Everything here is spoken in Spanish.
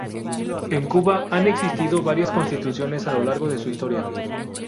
En Cuba han existido varias constituciones a lo largo de su historia.